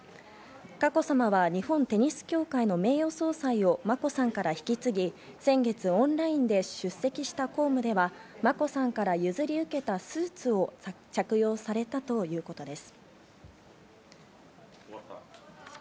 佳子さまは日本テニス協会の名誉総裁を眞子さんから引き継ぎ、先月オンラインで出席した公務では眞子さんから譲り受けたスーツを着用されたということです。